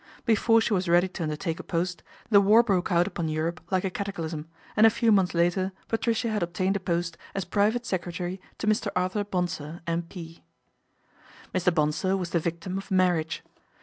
fore she was ready to undertake a post, the war broke out upon Europe like a cataclysm, and a few THE BONSOR 1R1GGS' MENAGE 19 months later Patricia had obtained a pos* as private secretary to Mr. Arthur Bonsor, M.P. Mr. Bonsor was the victim of marriage.